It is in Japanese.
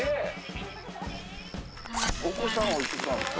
お子さんお幾つなんですか？